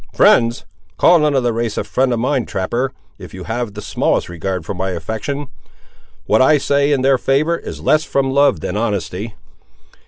"Friends! call none of the race a friend of mine, trapper, if you have the smallest regard for my affection! What I say in their favour is less from love than honesty."